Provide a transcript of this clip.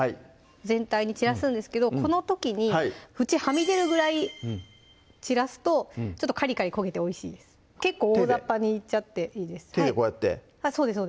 全体に散らすんですけどこの時に縁はみ出るぐらい散らすとちょっとカリカリ焦げておいしいです結構大ざっぱにいっちゃっていいです手でこうやってそうです